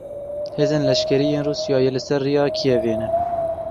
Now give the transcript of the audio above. Hêzên leşkerî yên Rûsyayê li ser rêya Kievê ne.